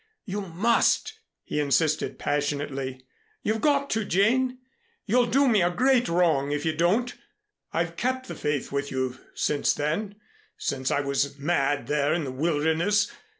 "You must!" he insisted passionately. "You've got to, Jane. You'll do me a great wrong if you don't. I've kept the faith with you since then since I was mad there in the wilderness.